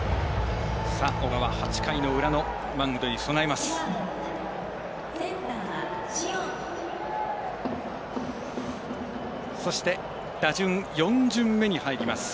小川８回の裏のマウンドに備えます。